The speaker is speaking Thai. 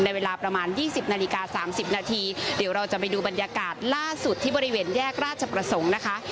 เวลาประมาณ๒๐นาฬิกา๓๐นาทีเดี๋ยวเราจะไปดูบรรยากาศล่าสุดที่บริเวณแยกราชประสงค์นะคะ